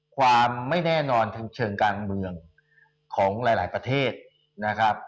ความไม่แน่นอนทางเชิงการเมืองของหลายประเทศนะครับ